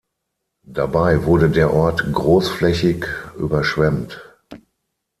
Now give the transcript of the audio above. Dabei wurde der Ort großflächig überschwemmt.